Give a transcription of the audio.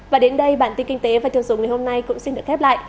và đến đây bản tin kinh tế và tiêu dùng ngày hôm nay cũng xin được khép lại